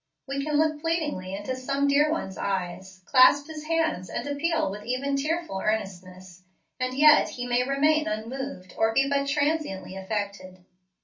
We can look pleadingly into some dear one's eyes, clasp his hands and appeal with even tearful earnestness, and yet he may remain unmoved, or be but transiently affected.